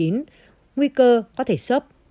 nguy cơ có thể sốc